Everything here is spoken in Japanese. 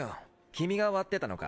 君が割ってたのか！